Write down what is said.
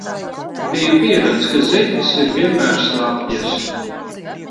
Biju pieradis, ka zeķes ir vienmēr slapjas.